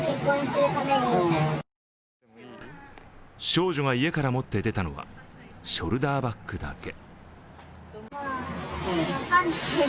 少女が家から持って出たのはショルダーバッグだけ。